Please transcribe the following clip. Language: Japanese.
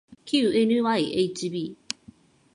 きう ｎｙｈｂ